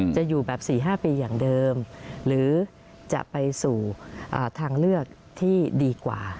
จะอยู่แบบ๔๕ปีอย่างเดิมหรือจะไปสู่ทางเลือกที่ดีกว่า